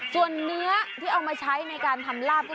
ส่วนเนื้อที่เอามาใช้ในการทำลาบ